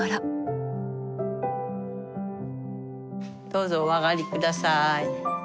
どうぞお上がり下さい。